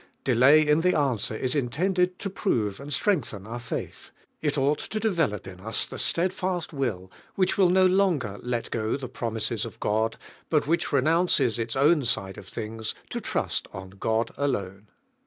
Delay in'the answer is intended to prove and strengthen our faith, it ought to develop in us the stead fast will which will no longer let go the promises of God, but which renounces ils own side of things to trust on God alone.